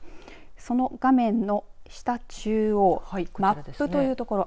その画面の下中央マップというところ。